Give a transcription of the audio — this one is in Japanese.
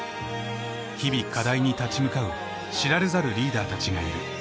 日々課題に立ち向かう知られざるリーダーたちがいる。